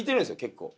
結構。